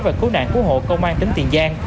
và cứu nạn cứu hộ công an tỉnh tiền giang